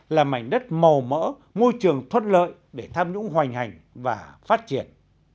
làm mảnh đất màu mỡ môi trường thuất lợi để tham nhũng hoành hành và phát triển